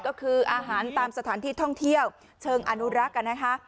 ก็คืออาหารตามสถานที่ท่องเที่ยวเชิงอนุรักษ์นะคะ